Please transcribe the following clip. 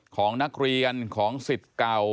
ของนักเรียนของสิทธิ์เก่า